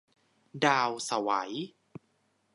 ดาวไสว